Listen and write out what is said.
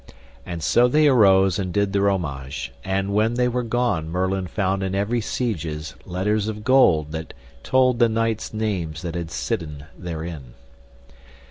And so they arose and did their homage, and when they were gone Merlin found in every sieges letters of gold that told the knights' names that had sitten therein.